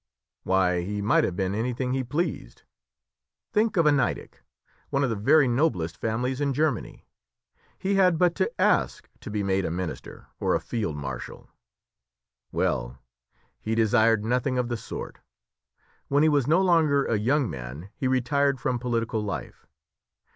"Why, he might have been anything he pleased. Think of a Nideck, one of the very noblest families in Germany! He had but to ask to be made a minister or a field marshal. Well! he desired nothing of the sort. When he was no longer a young man he retired from political life.